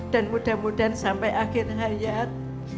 dan mudah mudahan sampai akhir hayat